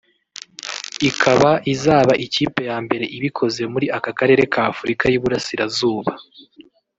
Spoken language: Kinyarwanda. ikaba izaba ikipe ya mbere ibikoze muri aka karere k ’Afurika y’Iburasirazuba